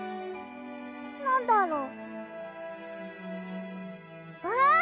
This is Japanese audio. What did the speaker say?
なんだろう？あ！